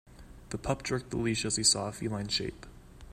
The pup jerked the leash as he saw a feline shape.